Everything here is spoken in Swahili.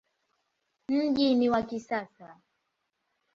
Mji ni wa kisasa.